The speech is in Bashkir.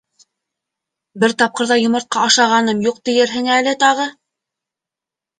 Бер тапҡыр ҙа йомортҡа ашағаным юҡ тиерһең әле тағы.